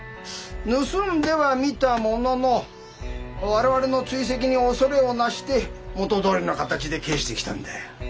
盗んではみたものの我々の追跡に恐れをなして元どおりの形で返してきたんだよ。